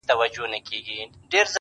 تا خو د کونړ د یکه زار کیسې لیکلي دي!!